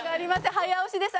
早押しです。